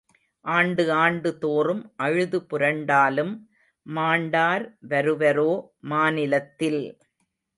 ஆண்டு ஆண்டு தோறும் அழுது புரண்டாலும் மாண்டார் வருவரோ மாநிலத்தில்.